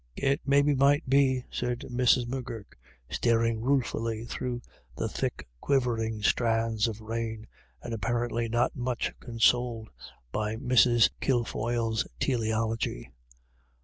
il It maybe might be," said Mrs. M'Gurk, staring ruefully through the thick quivering strands of rain, and apparently not much consoled by Mrs. A WET DAY. 97 Kilfoyle's teleology.